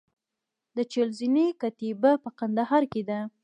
د چهل زینې کتیبه په کندهار کې ده